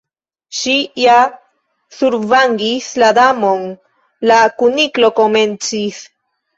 "Ŝi ja survangis la Damon " la Kuniklo komencis.